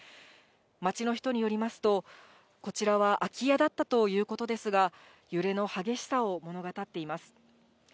町の人によりますと、こちらは空き家だったということですが、揺れの激しさを物語っています。